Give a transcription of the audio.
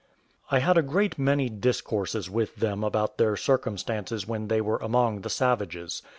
I had a great many discourses with them about their circumstances when they were among the savages.